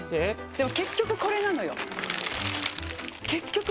でも結局これなのよ。